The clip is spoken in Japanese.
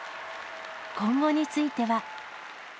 今後については。